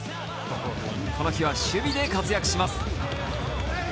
この日は守備で活躍します。